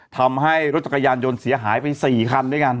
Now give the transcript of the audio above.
ทำให้รถจักรยานยนต์เสียหายไป๔คันด้วยกัน